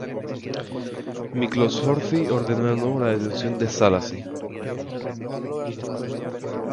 Miklós Horthy ordenó de nuevo la detención de Szálasi.